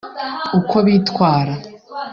uko bitwara